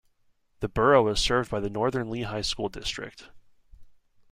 The Borough is served by the Northern Lehigh School District.